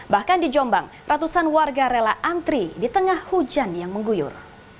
bahkan di jombang ratusan warga rela antri di tengah hujan yang mengguyur